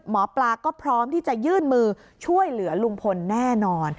หมอปลาก็พร้อมที่จะยื่นมือช่วยเหลือลุงพลแน่นอน